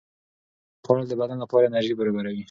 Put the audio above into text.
د نخودو خوړل د بدن لپاره انرژي برابروي.